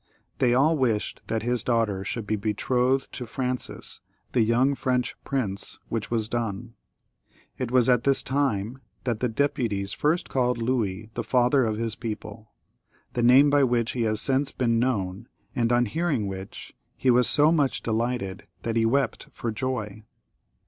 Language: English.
They all wished that his daughter should be betrothed to Francis, the young French prince, which was done. It was at this time that the deputies first called Louis the Father of his People, the name by which he has since been known, and on hearing which, he was so much delighted that he wept for joy.